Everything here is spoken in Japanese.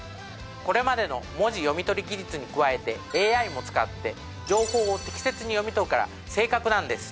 これまでの文字読み取り技術に加えてＡＩも使って情報を適切に読み取るから正確なんです